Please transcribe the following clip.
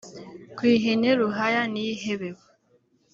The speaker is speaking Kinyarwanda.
ku ihene ruhaya niyo ihebeba